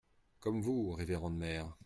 Comme vous, révérende mère.